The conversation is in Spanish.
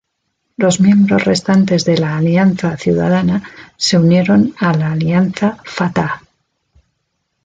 Los miembros restantes de la Alianza Ciudadana se unieron a la Alianza Fatah.